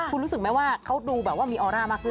คุณรู้สึกไหมว่าเขาดูแบบว่ามีออร่ามากขึ้น